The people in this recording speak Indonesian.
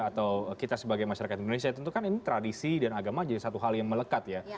atau kita sebagai masyarakat indonesia tentu kan ini tradisi dan agama jadi satu hal yang melekat ya